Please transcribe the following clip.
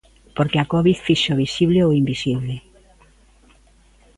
Porque a covid fixo visible o invisible.